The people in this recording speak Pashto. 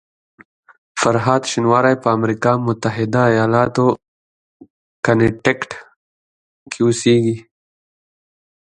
فرهاد شینواری په امریکا متحده ایالاتو کنیټیکټ کې اوسېږي.